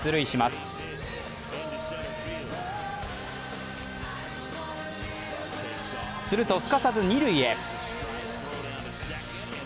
すると、すかさず二塁へ。